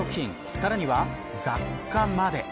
さらには雑貨まで。